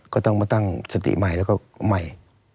ก็ต้องมาตั้งสติใหม่แล้วก็ใหม่